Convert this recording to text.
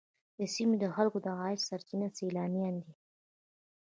د سیمې د خلکو د عاید سرچینه سیلانیان دي.